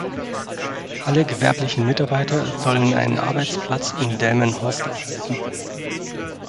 Alle gewerblichen Mitarbeiter sollen einen Arbeitsplatz in Delmenhorst erhalten.